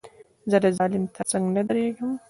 زه د ظالم تر څنګ نه درېږم.